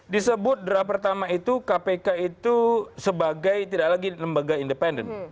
disebut draft pertama itu kpk itu sebagai tidak lagi lembaga independen